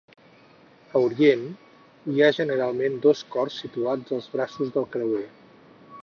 A orient, hi ha generalment dos cors situats als braços del creuer.